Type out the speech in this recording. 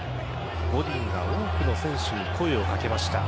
ゴディンが多くの選手に声を掛けました。